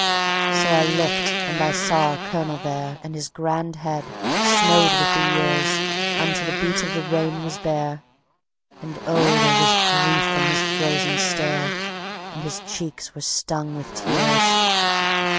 So I looked and I saw our Colonel there, And his grand head, snowed with the years, Unto the beat of the rain was bare; And, oh, there was grief in his frozen stare, And his cheeks were stung with tears!